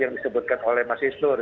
yang disebutkan oleh mas isnur